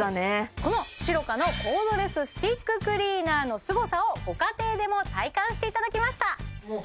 このシロカのコードレススティッククリーナーのすごさをご家庭でも体感していただきましたそう